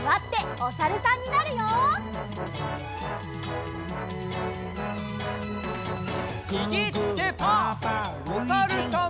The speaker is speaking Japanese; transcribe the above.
おさるさん。